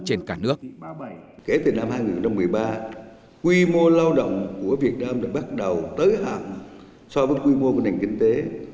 kể từ năm hai nghìn một mươi ba quy mô lao động của việt nam đã bắt đầu tới hạng so với quy mô của nền kinh tế